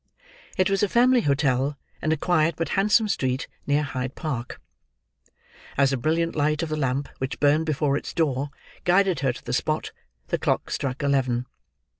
It was a family hotel in a quiet but handsome street near Hyde Park. As the brilliant light of the lamp which burnt before its door, guided her to the spot, the clock struck eleven.